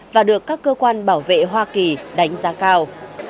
và được các cơ quan bảo vệ hoa kỳ đánh giá cao